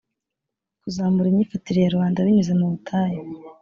kuzamura imyifatire ya rubanda binyuze mu butayu